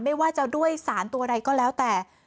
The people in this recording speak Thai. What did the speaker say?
ไม่ว่าจะด้วยสารตัวใดก็แล้วแต่